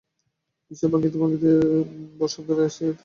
বিস্ময় ভাঙিতে না ভাঙিতে বসন্ত রায় আসিয়া তাঁহাকে আলিঙ্গন করিয়া ধরিলেন।